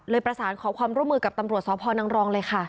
ประสานขอความร่วมมือกับตำรวจสพนังรองเลยค่ะ